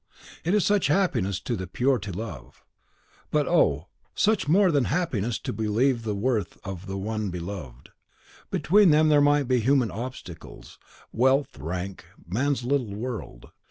It is such happiness to the pure to love, but oh, such more than happiness to believe in the worth of the one beloved. Between them there might be human obstacles, wealth, rank, man's little world.